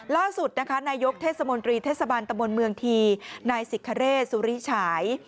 ล่าสุดนายกเทศมนตรีเทศบันตมวลเมืองที่นายสิทธิ์คเรศุริฉาย